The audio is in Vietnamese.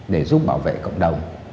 để giúp bảo vệ cộng đồng